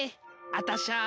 あたしゃ